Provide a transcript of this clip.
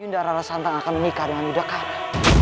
yundarara santang akan menikah dengan yudhaka